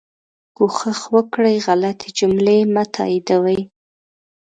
کوښښ وکړئ غلطي جملې مه تائیدوئ